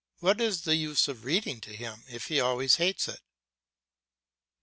What is the use of reading to him if he always hates it?